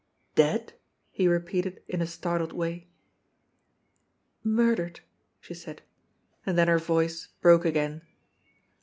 "Dead !" he repeated in a startled way. "Murdered," she said. And then her voice broke again.